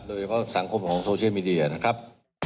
โดยเฉพาะสังคมของโซเชียลมีเดียนะครับ